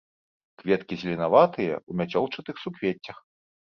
Кветкі зеленаватыя, у мяцёлчатых суквеццях.